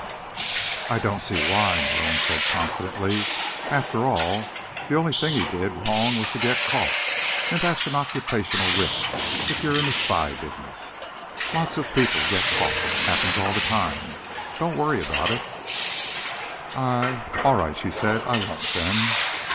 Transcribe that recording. "I don't see why," Malone said confidently. "After all, the only thing he did wrong was to get caught, and that's an occupational risk if you're in the spy business. Lots of people get caught. Happens all the time. Don't worry about it." "I—all right," she said. "I won't, then."